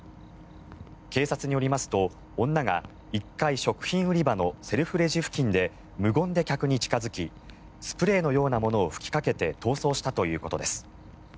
警察によりますと女が１階食品売り場のセルフレジ付近で無言で客に近付きスプレーのようなものを吹きかけて逃走したということです。